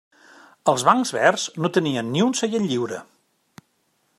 Els bancs verds no tenien ni un seient lliure.